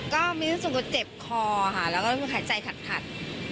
ก็มิ้นรู้สึกว่าเจ็บคอค่ะแล้วก็รู้สึกหายใจขัด